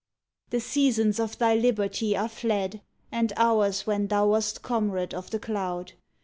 The seasons of thy liberty are fled, And hours when thou wast comrade of the cloud.